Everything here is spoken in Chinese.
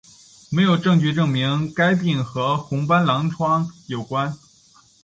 没有证据证明该病和红斑狼疮有关。